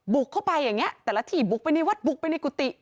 บุกเข้าไปอย่างนี้แต่ละที่บุกไปในวัดบุกไปในกุฏิ